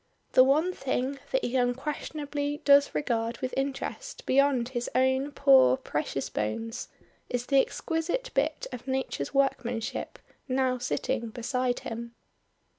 The one thing that he unquestionably does regard with interest beyond his own poor precious bones, is the exquisite bit of nature's workmanship now sitting beside him.